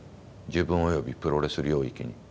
自分およびプロレス領域に。